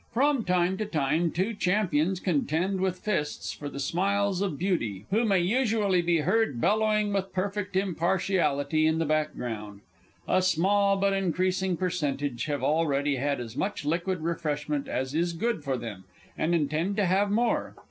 From time to time, two champions contend with fists for the smiles of beauty, who may usually be heard bellowing with perfect impartiality in the background. A small but increasing percentage have already had as much liquid refreshment as is good for them, and intend to have more.